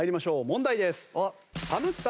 問題です。